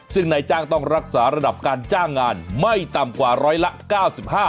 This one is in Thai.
ซึ่งนายจ้างต้องรักษาระดับการจ้างงานไม่ต่ำกว่าร้อยละ๙๕